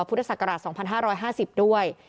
พุทธศักราช๒๕๕๐ด้วย